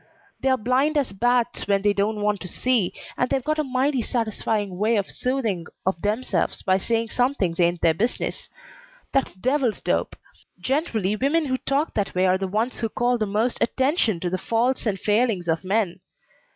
They're blind as bats when they don't want to see, and they've got a mighty satisfying way of soothing of themselves by saying some things ain't their business. That's devil's dope. Generally women who talk that way are the ones who call the most attention to the faults and failings of men.